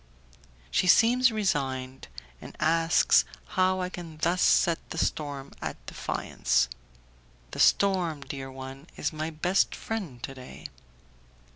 She seems resigned, and asks how I can thus set the storm at defiance. "The storm, dear one, is my best friend to day."